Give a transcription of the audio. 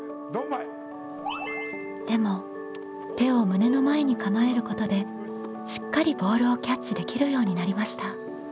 でも手を胸の前に構えることでしっかりボールをキャッチできるようになりました。